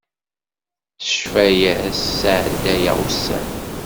S ccfaya-s sɛeddayeɣ ussan.